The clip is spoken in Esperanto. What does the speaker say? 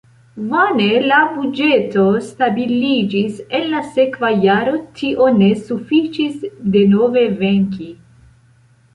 Vane la buĝeto stabiliĝis, en la sekva jaro tio ne sufiĉis denove venki.